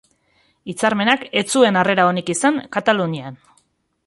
Hitzarmenak ez zuen harrera onik izan Katalunian.